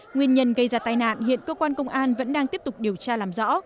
nguyên nhân gây ra tai nạn hiện cơ quan công an vẫn đang tiếp tục điều tra làm rõ